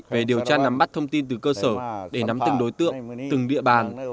về điều tra nắm bắt thông tin từ cơ sở để nắm từng đối tượng từng địa bàn